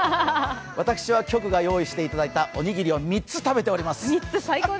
私は局が用意してくれたおにぎりを３つ食べております。